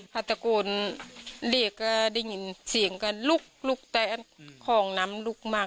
ถ้าตะโกนเล็กก็ได้ยินเสียงก็ลุกลุกเตะโขนนำมักอ่ะ